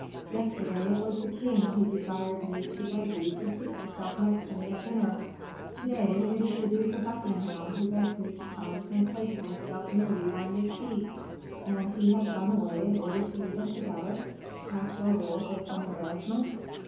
Yesterday it was the king who desired me to beg you to seat yourself next to me at dinner; to day, it is the Duke of Buckingham who begs me to come and place myself near you on this seat." "And he has gone away in order to leave us together?" asked Raoul, with some embarrassment.